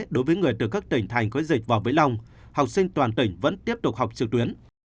đối với người từ các tỉnh thành có dịch vào với lòng học sinh toàn tỉnh vẫn tiếp tục học trực tuyến